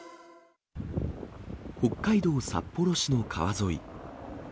北海道札幌市の川沿い。